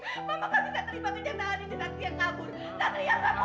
satria jangan tahanin satria kabur